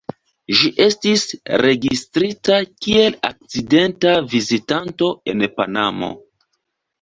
Ĝi estis registrita kiel akcidenta vizitanto en Panamo.